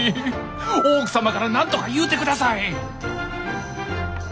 大奥様から何とか言うてください！